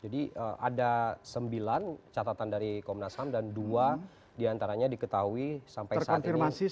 jadi ada sembilan catatan dari komnas ham dan dua diantaranya diketahui sampai saat ini